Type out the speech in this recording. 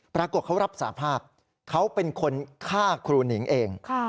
ปรากฏเขารับสาภาพเขาเป็นคนฆ่าครูหนิงเอง